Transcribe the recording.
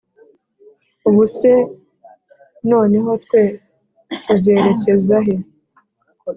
Ubu se noneho twe tuzerekeza he?».